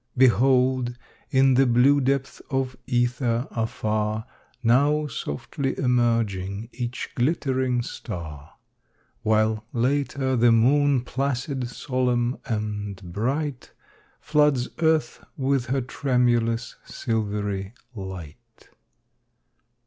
Behold, in the blue depths of ether afar, Now softly emerging each glittering star; While, later, the moon, placid, solemn and bright, Floods earth with her tremulous, silvery light.